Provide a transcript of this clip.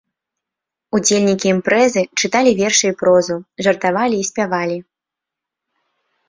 Удзельнікі імпрэзы чыталі вершы і прозу, жартавалі і спявалі.